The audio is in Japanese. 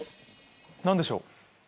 何でしょう？